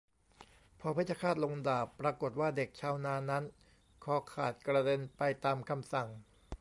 พอเพชฌฆาตลงดาบปรากฏว่าเด็กชาวนานั้นคอขาดกระเด็นไปตามคำสั่ง